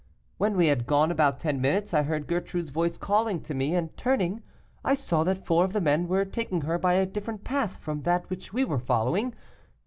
When we had gone about ten minutes, I heard Gertrude's voice calling to me, and turning, I saw that four of the men were taking her by a different path from that which we were following.